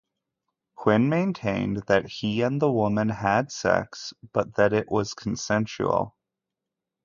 Quinn maintained that he and the woman had sex, but that it was consensual.